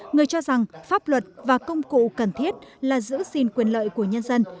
người cho rằng pháp luật và công cụ cần thiết là giữ xin quyền lợi của nhân dân